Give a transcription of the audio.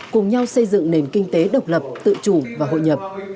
cùng nhau xây dựng nền kinh tế độc lập tự chủ và hội nhập